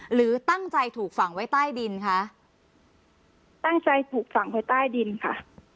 หรือตั้งใจถูกฝังไว้ใต้ดินคะตั้งใจถูกฝังไว้ใต้ดินค่ะ